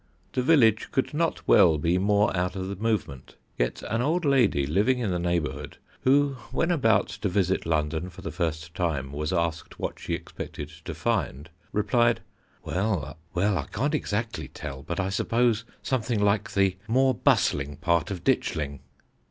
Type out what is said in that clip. The village could not well be more out of the movement, yet an old lady living in the neighbourhood who, when about to visit London for the first time, was asked what she expected to find, replied, "Well, I can't exactly tell, but I suppose something like the more bustling part of Ditchling."